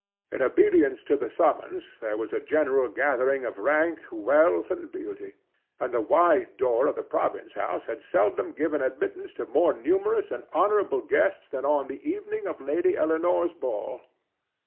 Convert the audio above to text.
In obedience to the summons, there was a general gathering of rank, wealth and beauty, and the wide door of the province house had seldom given admittance to more numerous and honorable guests than on the evening of Lady Eleanore's ball.